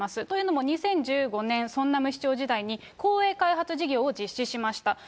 というのも２０１５年、ソンナム市長時代に、公営開発事業を実施しました。